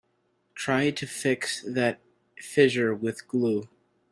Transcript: Try to fix that fissure with glue.